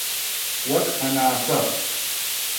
وەک هەناسە